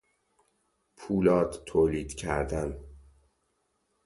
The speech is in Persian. پولاد تولید کردن